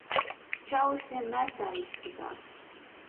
Čalis vienmēr tā izskatās.